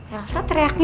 elsa teriaknya kenapa